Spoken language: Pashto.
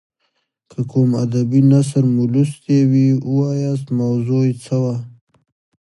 که کوم ادبي نثر مو لوستی وي ووایاست موضوع یې څه وه.